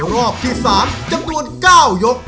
รอบที่๓จำนวน๙ยก